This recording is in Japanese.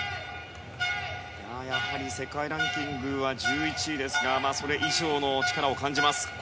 やはり、世界ランキングは１１位ですがそれ以上の力を感じます。